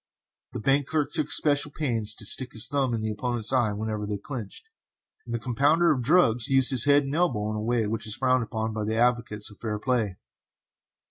The bank clerk took especial pains to stick his thumb in his opponent's eye whenever they clinched, and the compounder of drugs used his head and elbow in a way which is frowned upon by advocates of fair play.